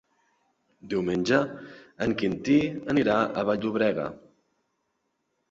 Diumenge en Quintí anirà a Vall-llobrega.